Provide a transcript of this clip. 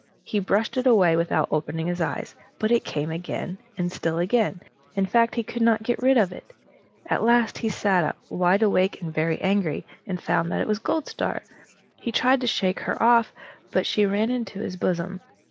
He brushed it away without opening his eyes, but it came again, and still again. In fact, he could not get rid of it. At last he sat up, wide awake and very angry, and found that it was Goldstar. He tried to shake her off, but she ran into his bosom.